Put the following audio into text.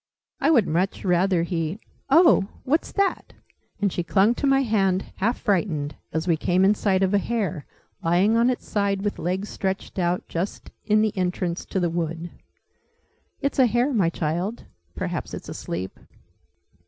I would much rather he oh, what's that?" And she clung to my hand, half frightened, as we came in sight of a hare, lying on its side with legs stretched out just in the entrance to the wood. "It's a hare, my child. Perhaps it's asleep."